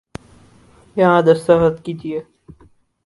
یہاں دستخط کیجئے